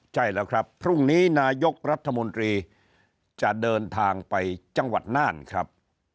ใช่แล้วครับพรุ่งนี้นายกรัฐมนตรีจะเดินทางไปจังหวัดน่านครับ